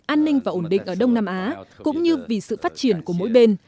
an ninh và ổn định ở đông nam á cũng như vì sự phát triển của mỗi bên